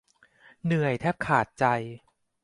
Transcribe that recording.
เหนื่อยแทบขาดใจ